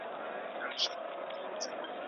هغه بیا په کابل کې وه او د خپل کور بیروبار یې لیده.